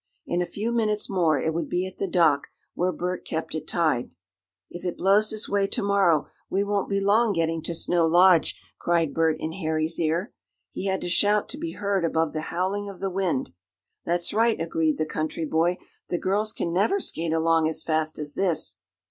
In a few minutes more it would be at the dock, where Bert kept it tied. "If it blows this way to morrow we won't be long getting to Snow Lodge," cried Bert in Harry's ear. He had to shout to be heard above the howling of the wind. "That's right," agreed the country boy. "The girls can never skate along as fast as this."